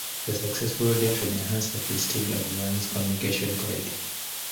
The successful redemption enhanced the prestige of Liang's Communications Clique.